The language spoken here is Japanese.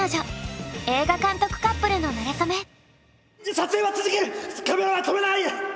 撮影は続けるカメラは止めない！